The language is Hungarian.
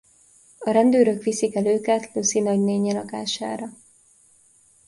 A rendőrök viszik el őket Lucy nagynénje lakására.